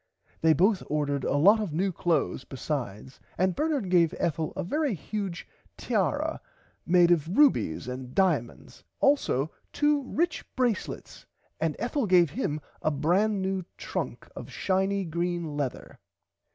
They both ordered a lot of new clothes besides and Bernard gave Ethel a very huge tara made of rubies and diamonds also two rich bracelets and Ethel gave him a bran new trunk of shiny green leather.